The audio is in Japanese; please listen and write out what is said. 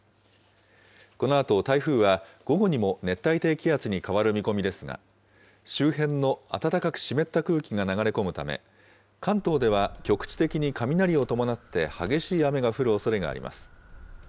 このあと台風は、午後にも熱帯低気圧に変わる見込みですが、周辺の暖かく湿った空気が流れ込むため、関東では局地的に雷を伴って激しい雨が降るおそれがあります。